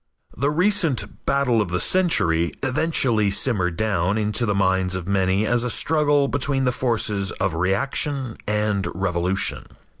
The recent "battle of the century" eventually simmered down into the minds of many as a struggle between the forces of reaction and revolution.